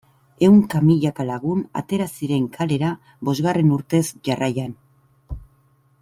Ehunka milaka lagun atera ziren kalera bosgarren urtez jarraian.